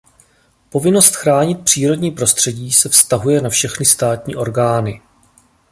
Povinnost chránit přírodní prostředí se vztahuje na všechny státní orgány.